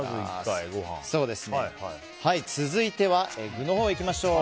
続いては具のほうにいきましょう。